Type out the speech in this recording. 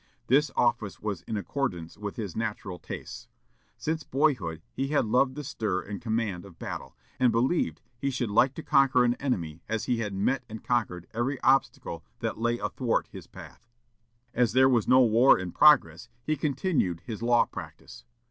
This office was in accordance with his natural tastes. Since boyhood, he had loved the stir and command of battle, and believed he should like to conquer an enemy as he had met and conquered every obstacle that lay athwart his path. As there was no war in progress, he continued his law practice.